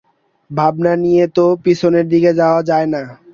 ভাবনা নিয়ে তো পিছনের দিকে যাওয়া যায় না।